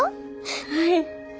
・はい。